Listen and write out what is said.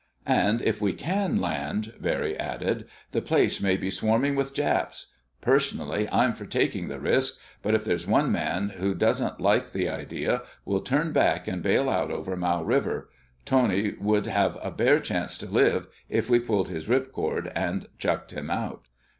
"And if we can land," Barry added, "the place may be swarming with Japs. Personally I'm for taking the risk, but if there's one man who doesn't like the idea, we'll turn back and bail out over Mau River. Tony would have a bare chance to live if we pulled his ripcord and chucked him out."